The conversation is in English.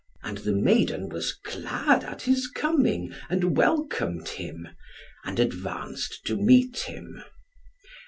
And the maiden was glad at his coming, and welcomed him, and advanced to meet him.